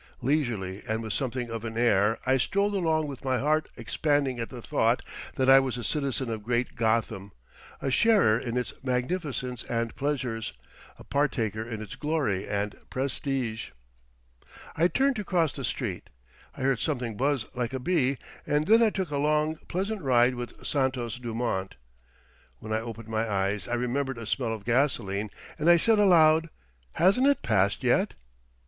Leisurely and with something of an air I strolled along with my heart expanding at the thought that I was a citizen of great Gotham, a sharer in its magnificence and pleasures, a partaker in its glory and prestige. I turned to cross the street. I heard something buzz like a bee, and then I took a long, pleasant ride with Santos Dumont. When I opened my eyes I remembered a smell of gasoline, and I said aloud: "Hasn't it passed yet?"